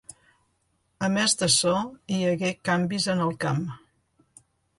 A més d'açò hi hagué canvis en el camp.